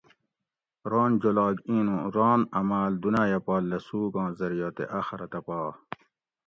سیچ جولاگ اِیں نُوں ران عماۤل دُنایہ پا لسوگ آں زریعہ تے آخرتہ پا